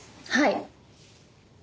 はい。